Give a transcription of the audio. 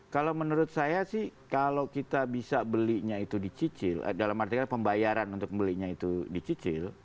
kalau menurut saya sih kalau kita bisa belinya itu dicicil dalam arti pembayaran untuk belinya itu dicicil